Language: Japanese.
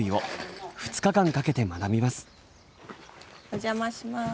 お邪魔します。